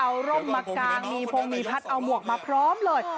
เอาร่มมากางมีพงมีพัดเอาหมวกมาพร้อมเลย